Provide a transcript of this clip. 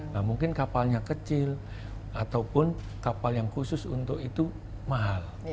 nah mungkin kapalnya kecil ataupun kapal yang khusus untuk itu mahal